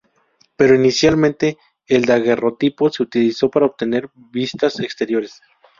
Pero inicialmente el daguerrotipo se utilizó para obtener vistas exteriores.